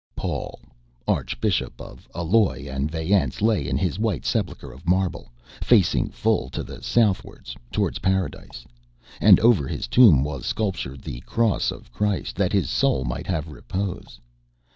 Paul, Archbishop of Alois and Vayence, lay in his white sepulchre of marble, facing full to the southwards towards Paradise. And over his tomb was sculptured the Cross of Christ, that his soul might have repose.